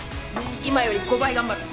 今より５倍頑張る。